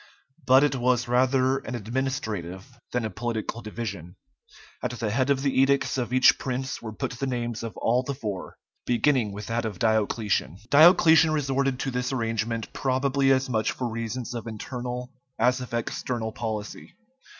But it was rather an administrative than a political division. At the head of the edicts of each prince were put the names of all the four, beginning with that of Diocletian. Diocletian resorted to this arrangement probably as much for reasons of internal as of external policy.